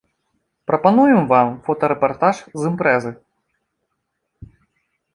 Прапануем вам фотарэпартаж з імпрэзы.